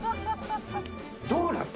どうなん？